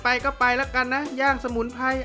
อ่ะเป็นก็ไปแล้วกันนะย่างสมุนไพรแล้ว